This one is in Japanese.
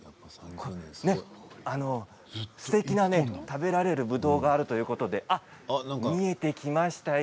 すてきな食べられるぶどうがあるということで見えてきましたよ